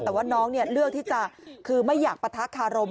แต่ว่าน้องเลือกที่จะคือไม่อยากปะทะคารม